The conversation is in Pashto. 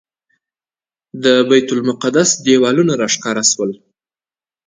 د بیت المقدس دیوالونه راښکاره شول.